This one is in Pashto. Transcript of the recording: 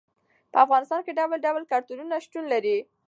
په افغانستان کې ډول ډول کلتورونه شتون لري.